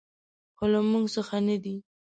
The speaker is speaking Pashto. خو له موږ څخه نه دي .